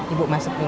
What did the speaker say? ibu masuk dulu